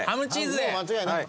塙：もう間違いない。